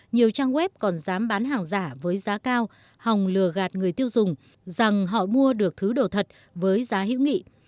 nhiều trang web còn dám bán hàng giả với giá cao hòng lừa gạt người tiêu dùng rằng họ mua được thứ đồ thật với giá hữu nghị